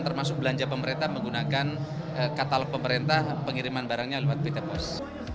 termasuk belanja pemerintah menggunakan katalog pemerintah pengiriman barangnya lewat pt pos